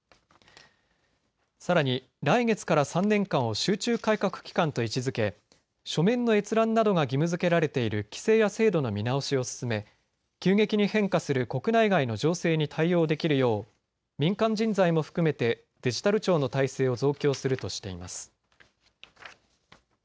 さらに来月から３年間を集中改革期間と位置づけ書面の閲覧などが義務づけられている規制や制度の見直しを進め急激に変化する国内外の情勢に対応できるよう民間人材も含めてデジタル庁の体制を増強するとしています。